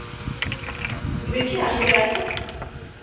Vous étiez arrivé à temps ?